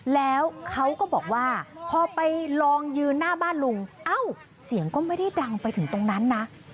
แล้วเขาก็บอกว่าพอไปลองยืนหน้าบ้านลุงเอ้าเสียงก็ไม่ได้ดังไปถึงตรงนั้นนะ